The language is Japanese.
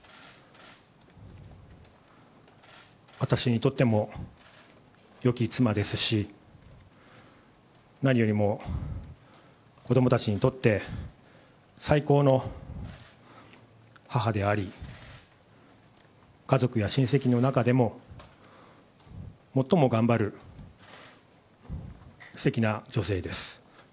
私にとってもよき妻ですし、何よりも子どもたちにとって、最高の母であり、家族や親戚の中でも最も頑張るすてきな女性です。